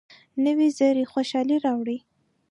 نوې زیري خوشالي راوړي